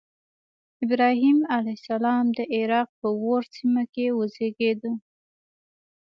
ابراهیم علیه السلام د عراق په أور سیمه کې وزیږېد.